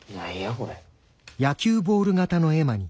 これ。